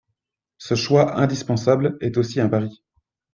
Ce choix indispensable est aussi un pari.